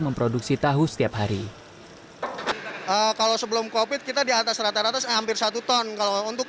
memproduksi tahu setiap hari kalau sebelum covid kita di atas rata rata hampir satu ton kalau untuk